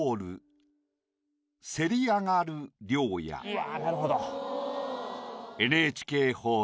うわなるほど。